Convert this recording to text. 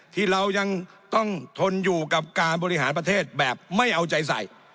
ที่เรายังต้องทนอยู่กับการบริหารประเทศแบบไม่เอาใจใส่